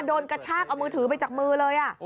กระชากเอามือถือไปจากมือเลย